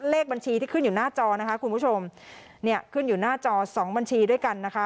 เลขบัญชีที่ขึ้นอยู่หน้าจอนะคะคุณผู้ชมเนี่ยขึ้นอยู่หน้าจอสองบัญชีด้วยกันนะคะ